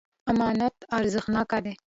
امانت ارزښتناک دی.